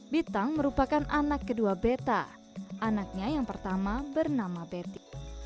bitang merupakan anak kedua beta anaknya yang pertama bernama betty